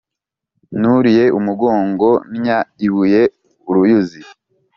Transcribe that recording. Nuriye umugongo nnya ibuye-Uruyuzi.